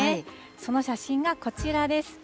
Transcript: その写真がこちらです。